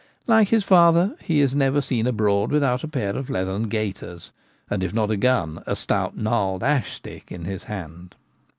Like his father, he is never seen abroad without a pair of leathern gaiters, and, if not a gun, a stout gnarled ground ash stick in his hand.